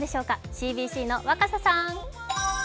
ＣＢＣの若狭さん。